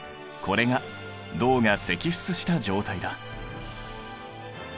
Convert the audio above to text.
これが銅が析出した状態だ。